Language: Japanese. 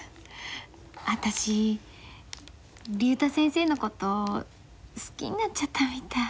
私竜太先生のこと好きになっちゃったみたい。